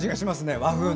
和風の。